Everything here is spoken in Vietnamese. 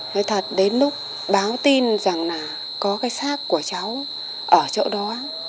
nói thật đến lúc báo tin rằng là có cái xác của cháu ở chỗ đó